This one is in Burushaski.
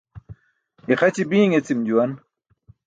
Ixaci biiṅ eci̇m juwan.